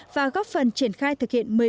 và góp phần triển khai thực hiện